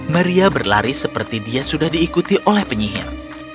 maria berlari seperti dia sudah diikuti oleh penyihir